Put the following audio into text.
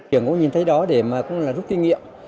trưởng cũng nhìn thấy đó để mà cũng là rút kinh nghiệm